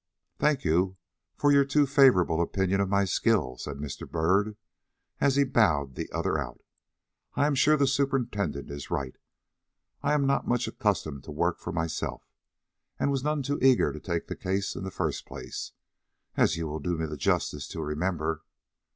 "Thank you for your too favorable opinion of my skill," said Mr. Byrd, as he bowed the other out. "I am sure the superintendent is right. I am not much accustomed to work for myself, and was none too eager to take the case in the first place, as you will do me the justice to remember.